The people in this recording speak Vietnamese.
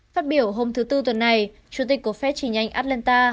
phát biểu hôm thứ tư tuần này chủ tịch của phép trì nhanh atlanta